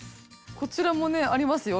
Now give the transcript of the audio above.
こちらもねありますよ。